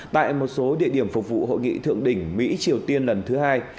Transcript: tại một số địa điểm phục vụ hội nghị thượng đỉnh mỹ triều tiên lần thứ hai